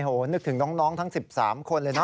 เหมือนนึกถึงน้องทั้ง๑๓คนเลยนะ